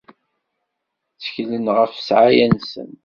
Tteklen ɣef ssɛaya-nsen.